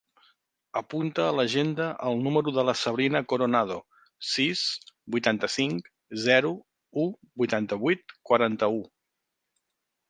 Apunta a l'agenda el número de la Sabrina Coronado: sis, vuitanta-cinc, zero, u, vuitanta-vuit, quaranta-u.